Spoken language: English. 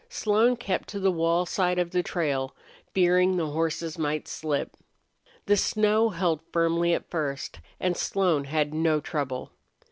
Slone kept to the wall side of the trail, fearing the horses might slip. The snow held firmly at first and Slone had no trouble.